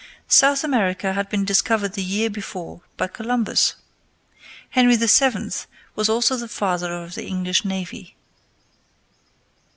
South America had been discovered the year before by Columbus. Henry VII. was also the father of the English navy.